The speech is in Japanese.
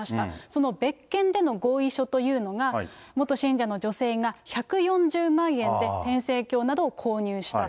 その別件での合意書というのが、元信者の女性が１４０万円で天聖経などを購入した。